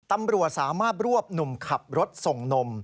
ตำรวจสามารถรวบหนุ่มขับรถส่งนม